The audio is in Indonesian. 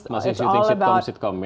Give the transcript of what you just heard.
masih syuting sitkom sitkom ya